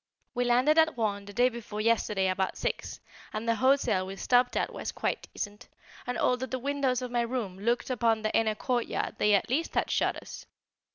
We landed at Rouen the day before yesterday about six, and the hotel we stopped at was quite decent, and although the windows of my room looked upon the inner courtyard they at least had shutters.